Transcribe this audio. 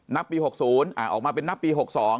นับปี๖๐ออกมาเป็นนับปี๖๒